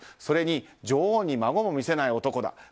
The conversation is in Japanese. それに女王に孫も見せない男だ。